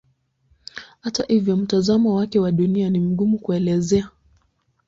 Hata hivyo mtazamo wake wa Dunia ni mgumu kuelezea.